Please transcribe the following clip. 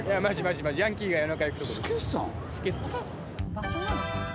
場所なの？